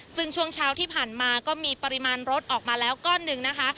ซึ่งช่วงเช้าที่ผ่านมาก็มีปริมาณรถออกมาแล้วก้อนหนึ่งนะคะ